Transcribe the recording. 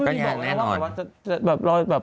ก็หยั่งแน่นอน